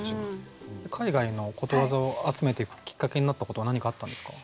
海外のことわざを集めていくきっかけになったことは何かあったんですか？